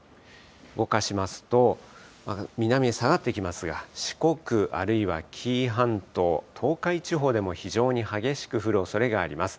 動かしますと、南へ下がってきますが、四国、あるいは紀伊半島、東海地方でも非常に激しく降るおそれがあります。